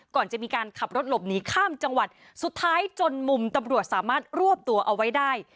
ก่อนจะมีการขับรถหลบหนีข้ามจังหวัดสุดท้ายจนมุมตำรวจสามารถรวบตัวเอาไว้ได้